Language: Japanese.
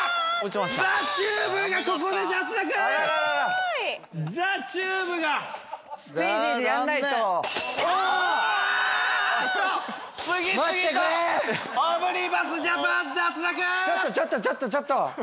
ちょっとちょっとちょっとちょっと。